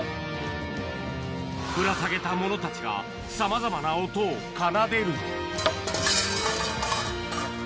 ぶら下げたものたちがさまざまな音を奏でる。